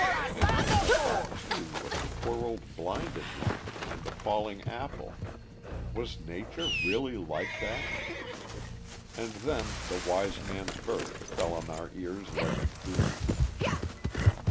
And I thought, too, of the poor old blinded woman and the falling apple. Was Nature really like that? And then the wise man's verdict fell on our ears like a doom.